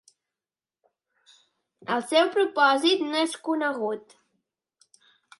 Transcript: El seu propòsit no és conegut.